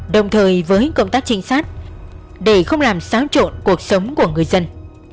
đồng thời với công tác trinh sát để không làm xáo trộn cuộc sống của người dân